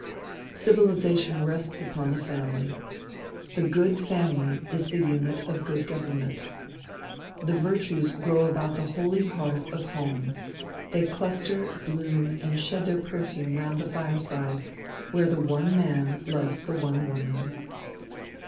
Civilization rests upon the family. The good family is the unit of good government. The virtues grow about the holy hearth of home they cluster, bloom, and shed their perfume round the fireside where the one man loves the one woman.